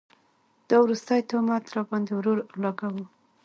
دا وروستی تهمت راباند ې ورور اولګوو